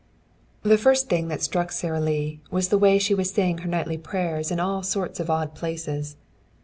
III The first thing that struck Sara Lee was the way she was saying her nightly prayers in all sorts of odd places.